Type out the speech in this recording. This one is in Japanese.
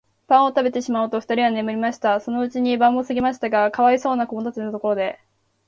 パンをたべてしまうと、ふたりは眠りました。そのうちに晩もすぎましたが、かわいそうなこどもたちのところへ、